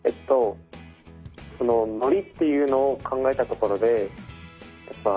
ノリっていうのを考えたところで絵文字？